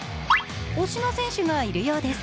推しの選手がいるようです。